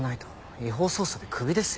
違法捜査でクビですよ。